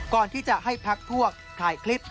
ก่อนที่จะให้พักพวกถ่ายคลิป